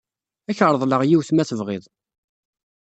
Ad ak-reḍleɣ yiwet ma tebɣiḍ.